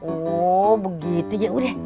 oh begitu yaudah